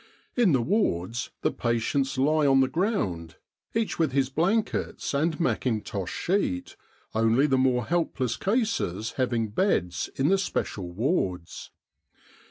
In the wards the patients lie on the ground, each with his blankets and mackintosh 287 With the R.A.M.C. in Egypt sheet, only the more helpless cases having beds in the special wards.